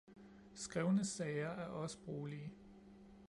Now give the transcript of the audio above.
Skrevne sager er også brugelige